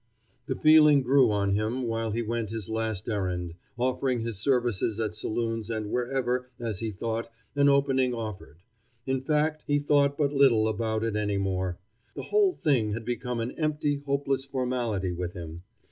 The feeling grew on him while he went his last errand, offering his services at saloons and wherever, as he thought, an opening offered. In fact, he thought but little about it any more. The whole thing had become an empty, hopeless formality with him.